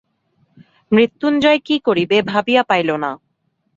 মৃত্যুঞ্জয় কী করিবে ভাবিয়া পাইল না।